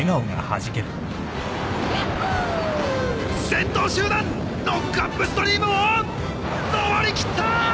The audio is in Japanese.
先頭集団ノックアップストリームを昇りきった！